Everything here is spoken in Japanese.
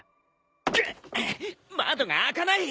ぐっ窓が開かない。